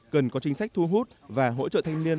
cần có chính sách thu hút và hỗ trợ thanh niên